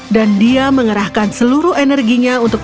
dan dia mengerahkan seluruh energinya untuk melukis